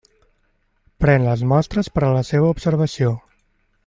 Pren les mostres per a la seva observació.